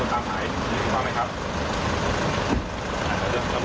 สวัสดีครับ